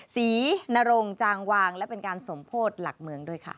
นรงจางวางและเป็นการสมโพธิหลักเมืองด้วยค่ะ